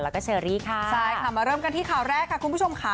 แล้วก็เฉอรี่ค่ะมาเริ่มกันที่ข่าวแรกค่ะคุณผู้ชมขา